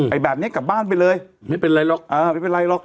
ไอ้แบบนี้กลับบ้านไปเลยไม่เป็นไรหรอก